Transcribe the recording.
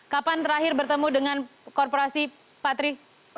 kapan terakhir bertemu dengan korporasi patri